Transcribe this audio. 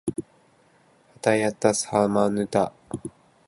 はたやたさまぬた